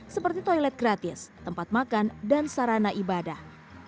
seperti toilet gratis tempat makan dan sarana ibadah